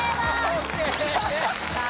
ＯＫ